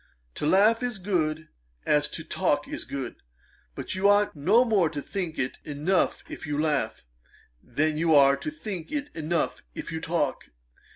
To laugh is good, as to talk is good. But you ought no more to think it enough if you laugh, than you are to think it enough if you talk.